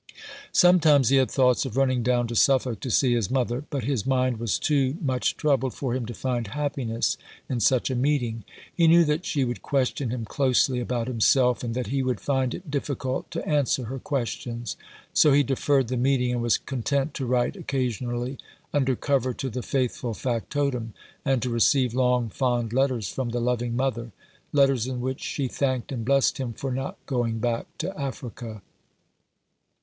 Sometimes he had thoughts of running down to Suffolk to see his mother, but his mind was too much troubled for him to find happiness in such a meeting. He knew that she would question him closely about himself, and that he would find it difficult to answer her questions ; so he deferred 304 What he Meant to Do. the meeting, and was content to write occasionally under cover to the faithful factotum, and to receive long, fond letters from the loving mother — letters in which she thanked and blessed him for not going back to Africa.